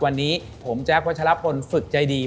วันนี้ผมแจ๊ควัชลพลฝึกใจดี